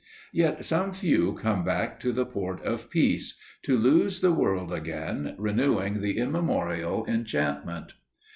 Yet some few come back to the Port of Peace to lose the world again, renewing the immemorial enchantment.